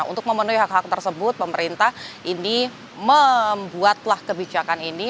untuk memenuhi hak hak tersebut pemerintah ini membuatlah kebijakan ini